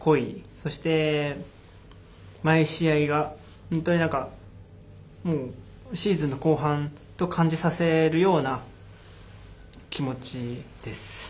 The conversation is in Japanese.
そして、毎試合が本当にシーズンの後半と感じさせるような気持ちです。